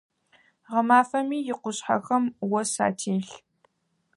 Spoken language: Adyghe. Гъэмафэми икъушъхьэхэм ос ателъ.